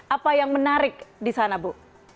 apa yang menarik disana bu